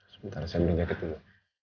sebentar saya minum jaket dulu